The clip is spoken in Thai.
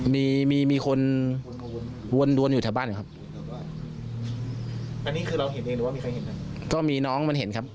น่าจะวางแผนไปก่อนครับ